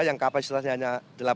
yang kapasitasnya hanya delapan ratus